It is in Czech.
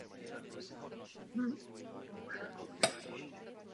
Velitelský štáb především udržuje přímé spojení s vojskem a nadřízeným štábem.